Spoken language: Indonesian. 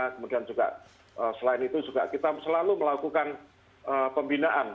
kemudian juga selain itu juga kita selalu melakukan pembinaan